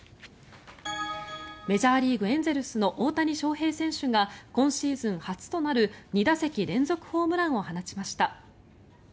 メジャーリーグエンゼルスの大谷翔平選手が今シーズン初となる２打席連続ホームランを放ちました。